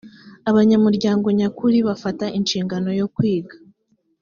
abanyamuryango nyakuri bafata inshingano yo kwiga